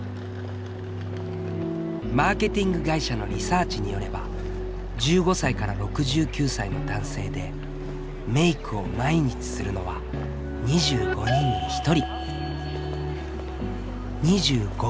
マーケティング会社のリサーチによれば１５歳６９歳の男性でメイクを毎日するのは２５人に１人。